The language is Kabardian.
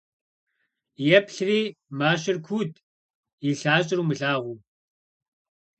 Еплъри - мащэр куут, и лъащӀэр умылъагъуу.